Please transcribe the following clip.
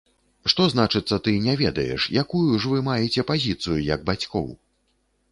Што значыцца, ты не ведаеш, якую ж вы маеце пазіцыю як бацькоў?